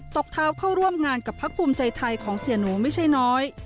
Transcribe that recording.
ตบเท้าเข้าร่วมงานกับพักภูมิใจไทยของเสียหนูไม่ใช่น้อย